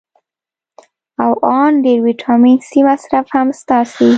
او ان ډېر ویټامین سي مصرف هم ستاسې